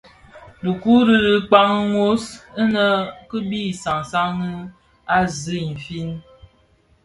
Dhiku u di kpaň wos, inne kibi sansan a zi infin,